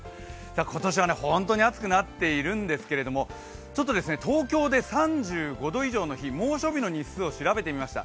今年は本当に暑くなっているんですけども、ちょっと東京で３５度以上の日、猛暑日の日数を調べてみました。